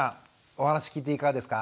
お話聞いていかがですか？